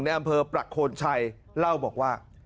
อำเภอประโคนชัยเล่าบอกว่า